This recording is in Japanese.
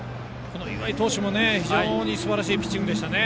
岩井投手も非常にすばらしいピッチングでしたね。